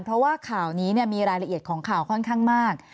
เพราะว่าข่าวนี้มีรายละเอียดของข่าวค่อนข้างมาก